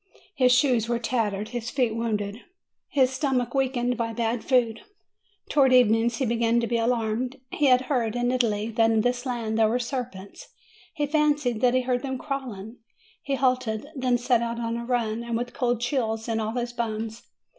His shoes were tattered, his feet wounded, his stomach weakened by bad food. Towards evening he began to be alarmed. He had heard, in Italy, that in this land there were serpents; he fancied that he heard them crawling; he halted, then set out on a run, and with cold chills in all his bones.